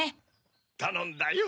たのんだよ。